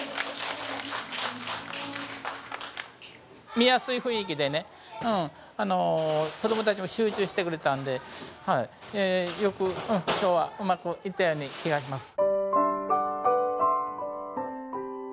見やすい雰囲気でね子どもたちも集中してくれたのでよく今日はうまくいったように気がします。